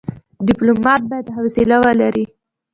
ډيپلومات بايد حوصله ولري.